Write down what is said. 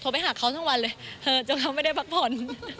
ไปหาเขาทั้งวันเลยจนเขาไม่ได้พักผ่อน